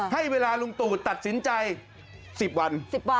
ให้เวลาลุงตู่ตัดสินใจ๑๐วัน